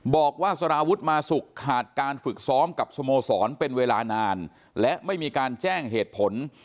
บอกว่าสารวุฒิมาสุกขาดการฝึกซ้อมกับสโมสรเป็นเวลานานและไม่มีการแจ้งเหตุผล